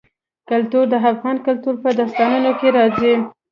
کلتور د افغان کلتور په داستانونو کې راځي.